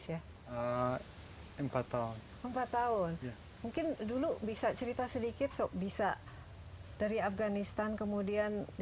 sebuah tatung hurung